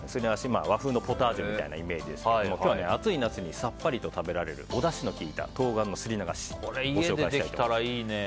和風のポタージュみたいなイメージですけども今日は暑い夏にさっぱりと食べられるおだしの効いた冬瓜のすり流しご紹介したいと思います。